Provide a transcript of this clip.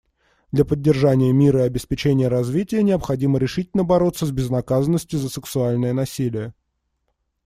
Для поддержания мира и обеспечения развития необходимо решительно бороться с безнаказанностью за сексуальное насилие.